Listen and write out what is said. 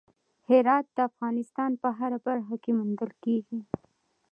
هرات د افغانستان په هره برخه کې موندل کېږي.